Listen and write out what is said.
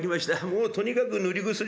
もうとにかく塗り薬